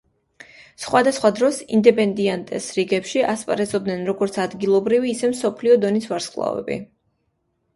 სხვადასხვა დროს „ინდეპენდიენტეს“ რიგებში ასპარეზობდნენ როგორც ადგილობრივი, ისე მსოფლიო დონის ვარსკვლავები.